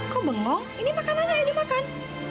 kok bengong ini makanan aja yang dia makan